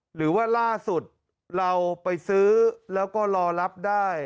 หรือว่าล่าสุดเราไปซื้อแล้วก็รอรับได้